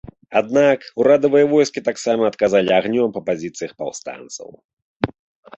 Аднак, урадавыя войскі таксама адказалі агнём па пазіцыях паўстанцаў.